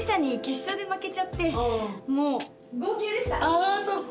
ああそっか。